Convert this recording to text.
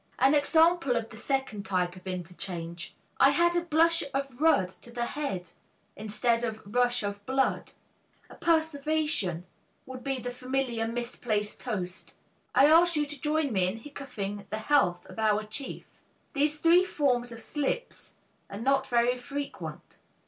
An example of the second type of interchange, "I had a blush of rood to the head" instead of "rush of blood"; a perseveration would be the familiar misplaced toast, "I ask you to join me in hiccoughing the health of our chief." These three forms of slips are not very frequent.